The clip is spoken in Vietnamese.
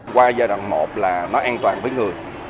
qua giai đoạn một là nó an toàn với người